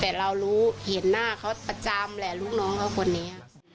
แต่เรารู้เห็นหน้าเขาประจำแหละลูกน้องเขาคนนี้